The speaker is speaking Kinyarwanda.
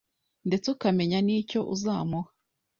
ndetse ukamenya n’icyo uzamuha.